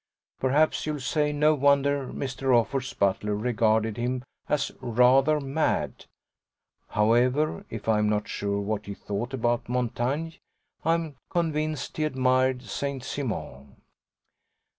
Perhaps you'll say no wonder Mr. Offord's butler regarded him as "rather mad." However, if I'm not sure what he thought about Montaigne I'm convinced he admired Saint Simon.